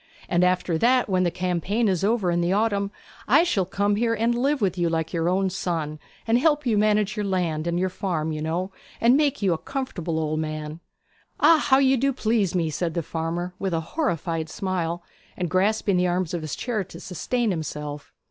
And after that, when the campaign is over in the autumn, I shall come here, and live with you like your own son, and help manage your land and your farm, you know, and make you a comfortable old man.' 'Ah! How you do please me!' said the farmer, with a horrified smile, and grasping the arms of his chair to sustain himself.